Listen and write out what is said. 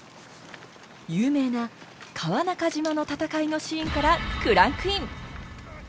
有名な川中島の戦いのシーンからクランクイン！